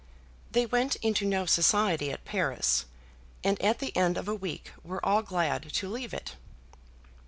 They went into no society at Paris, and at the end of a week were all glad to leave it.